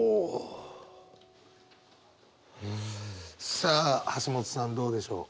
さあ橋本さんどうでしょう？